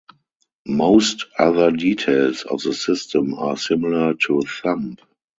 Most other details of the system are similar to Thumb.